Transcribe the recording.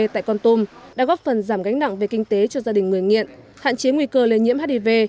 tại con tum đã góp phần giảm gánh nặng về kinh tế cho gia đình người nghiện hạn chế nguy cơ lây nhiễm hiv